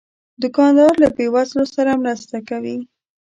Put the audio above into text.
دوکاندار له بې وزلو سره مرسته کوي.